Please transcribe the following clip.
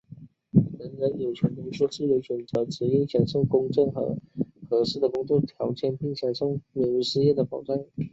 人人有权工作、自由选择职业、享受公正和合适的工作条件并享受免于失业的保障。